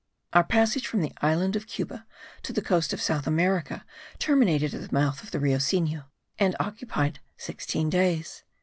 Our passage from the island of Cuba to the coast of South America terminated at the mouth of the Rio Sinu, and it occupied sixteen days.